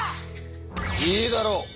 いいだろう。